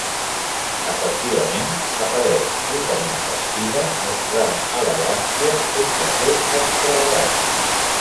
Efectivament, apareix ricament vestida, mostrant elegància, sense ser extravagant.